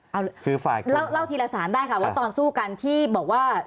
เอาคือเล่าทีละสารได้ค่ะว่าตอนสู้กันที่บอกว่า